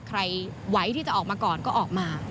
ใครไหวที่จะออกมาก่อนก็ออกมา